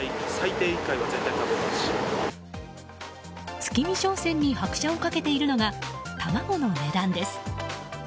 月見商戦に拍車をかけているのが卵の値段です。